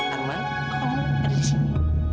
arman aku ada di sini